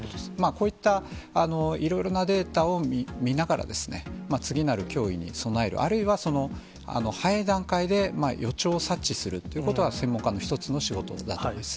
こういったいろいろなデータを見ながら、次なる脅威に備える、あるいは、早い段階で予兆を察知するということは、専門家の１つの仕事だと思います。